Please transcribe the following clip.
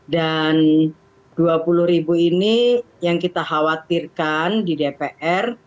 dan rp dua puluh ini yang kita khawatirkan di dpr